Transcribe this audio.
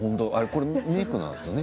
これメークなんですよね。